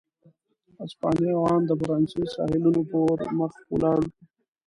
اسپانیا او ان د فرانسې ساحلونو پورې پر مخ ولاړ.